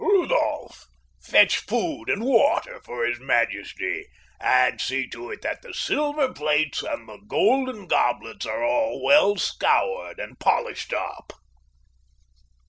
Rudolph, fetch food and water for his majesty, and see to it that the silver plates and the golden goblets are well scoured and polished up."